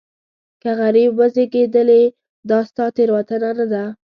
که غریب وزېږېدلې دا ستا تېروتنه نه ده.